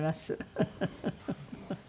フフフフ。